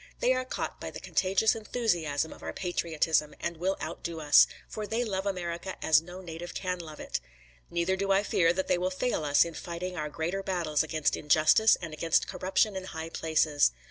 They are caught by the contagious enthusiasm of our patriotism, and will outdo us; for they love America as no native can love it. Neither do I fear that they will fail us in fighting our greater battles against injustice and against corruption in high places.